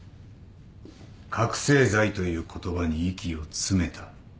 覚醒剤という言葉に息を詰めた。